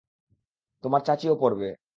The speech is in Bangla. তোমার চাচীও পড়বে।